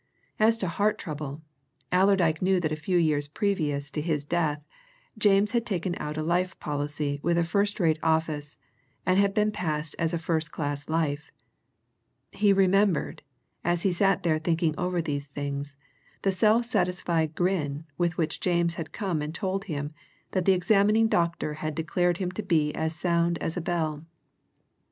As to heart trouble, Allerdyke knew that a few years previous to his death, James had taken out a life policy with a first rate office, and had been passed as a first class life: he remembered, as he sat there thinking over these things, the self satisfied grin with which James had come and told him that the examining doctor had declared him to be as sound as a bell.